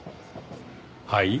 はい？